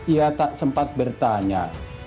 ia tak sempat bertanya